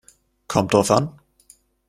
Kommt drauf an.